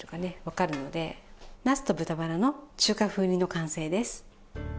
なすと豚バラの中華風煮の完成です。